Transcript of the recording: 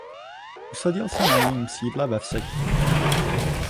Usadil se na jejím sídle ve Vsetíně.